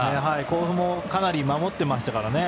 甲府もかなり守っていましたから。